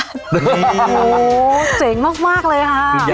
โอ้โหเจ๋งมากเลยค่ะ